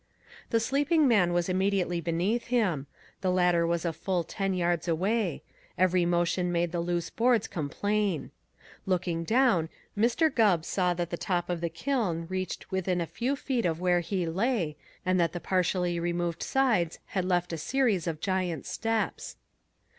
The sleeping man was immediately beneath him; the ladder was a full ten yards away; every motion made the loose boards complain. Looking down, Mr. Gubb saw that the top of the kiln reached within a few feet of where he lay, and that the partially removed sides had left a series of giant steps.